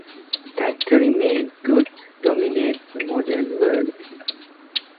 Factory-made goods dominate the modern world.